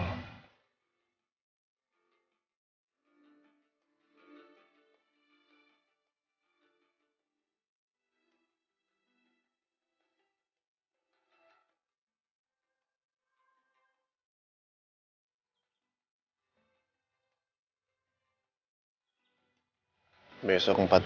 aku akan bongkar semua kebohongan kamu ade baradil